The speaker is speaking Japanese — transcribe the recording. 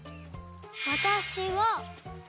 「わたしは」